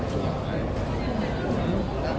สวัสดีครับ